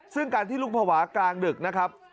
ซึ่งการที่ลูกภาวะกลางดึกนะครับ